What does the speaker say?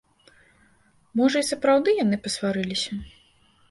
Можа, і сапраўды яны пасварыліся.